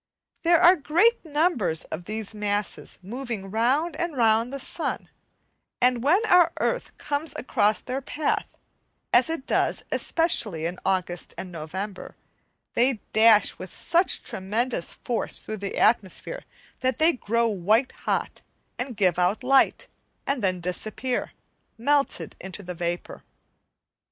There are great numbers of these masses moving round and round the sun, and when our earth comes across their path, as it does especially in August and November, they dash with such tremendous force through the atmosphere that they grow white hot, and give out light, and then disappear, melted into vapour.